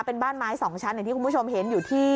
เป็นบ้านไม้สองชั้นอย่างที่คุณผู้ชมเห็นอยู่ที่